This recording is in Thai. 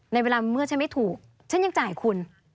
ในเวลาเมื่อฉันไม่ถูกฉันยังจ่ายคุณ